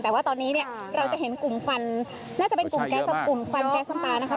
แต่ว่าตอนนี้เนี่ยเราจะเห็นกลุ่มควันน่าจะเป็นกลุ่มแก๊สกับกลุ่มควันแก๊สน้ำตานะคะ